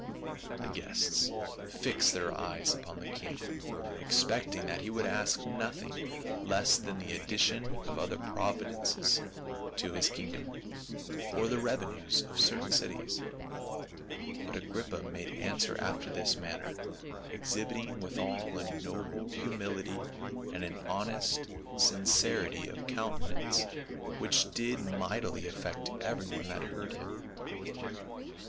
The guests fixed their eyes upon the king, expect ing that he would ask nothing less than the addition of other provinces to his kingdom, or the revenues of certain cities, but Agrippa made answer after this man ner — exhibiting withal a noble humility and an honest sincerity of countenance which did mightily affect every one that heard him.